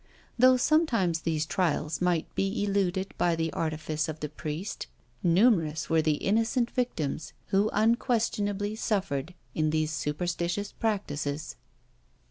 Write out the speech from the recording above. Though sometimes these trials might be eluded by the artifice of the priest, numerous were the innocent victims who unquestionably suffered in these superstitious practices.